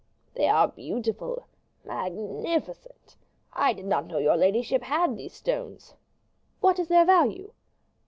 "They are beautiful magnificent. I did not know your ladyship had these stones." "What is their value?"